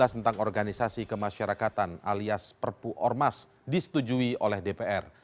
tentang organisasi kemasyarakatan alias perpu ormas disetujui oleh dpr